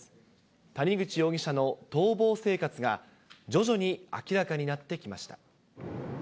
谷口容疑者の逃亡生活が徐々に明らかになってきました。